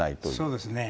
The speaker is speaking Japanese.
そうですね。